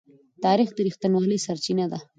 تاریخ د رښتینولۍ سرچینه ده.